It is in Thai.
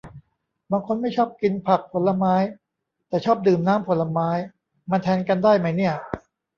บางคนไม่ชอบกินผักผลไม้ แต่ชอบดื่มน้ำผลไม้ มันแทนกันได้ไหมเนี่ย